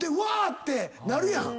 ってなるやん。